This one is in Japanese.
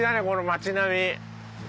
この町並み。